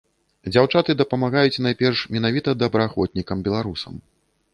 Дзяўчаты дапамагаюць найперш менавіта добраахвотнікам-беларусам.